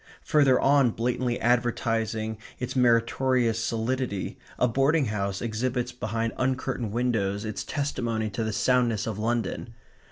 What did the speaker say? Further on, blatantly advertising its meritorious solidity, a boarding house exhibits behind uncurtained windows its testimony to the soundness of London.